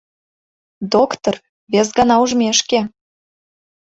Доктыр, вес гана ужмешке!..